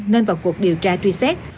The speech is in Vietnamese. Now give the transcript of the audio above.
nên vào cuộc điều tra truy xét